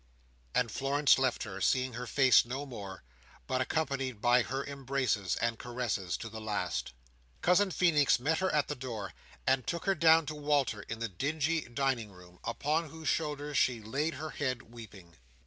And Florence left her, seeing her face no more, but accompanied by her embraces and caresses to the last. Cousin Feenix met her at the door, and took her down to Walter in the dingy dining room, upon whose shoulder she laid her head weeping.